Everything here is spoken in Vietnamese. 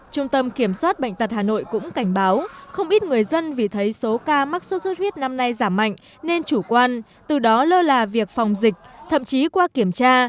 trung tâm kiểm soát bệnh tật hà nội cũng cảnh báo không ít người dân vì thấy số ca mắc sốt xuất huyết năm nay giảm mạnh nên chủ quan từ đó lơ là việc phòng dịch thậm chí qua kiểm tra